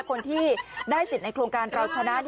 คนที่ได้สิทธิ์ในโครงการเราชนะ